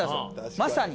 まさに。